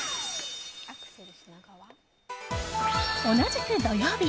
同じく土曜日。